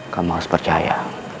kamu harus percaya